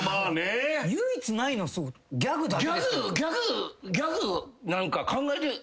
唯一ないのギャグだけ。